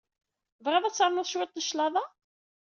Tebɣiḍ ad ternuḍ cwiṭ n cclaḍa?